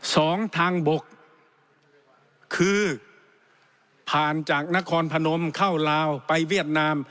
ทางบกคือผ่านจากนครพนมเข้าลาวไปเวียดนาม